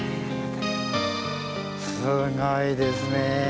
すごいですね。